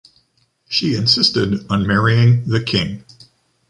She insisted on marrying the king.